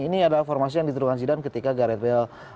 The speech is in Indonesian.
ini adalah formasi yang diterungkan zidane ketika garret bell